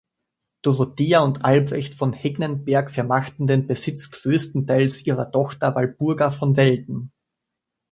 Dorothea und Albrecht von Hegnenberg vermachten den Besitz größtenteils ihrer Tochter Walburga von Welden.